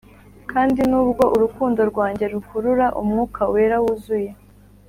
kandi nubwo urukundo rwanjye rukurura umwuka wera, wuzuye,